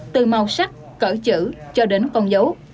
từ màu sắc cỡ chữ cho đến con dấu